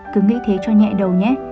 cứ nghĩ thế cho nhẹ đầu nhé